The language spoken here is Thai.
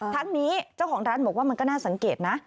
ทั้งนี้เจ้าของร้านบอกว่ามันก็น่าสังเกตนะ